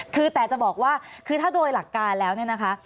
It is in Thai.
คือแต่จะบอกว่าคือถ้าโดยหลักการแล้วเนี่ยนะคะ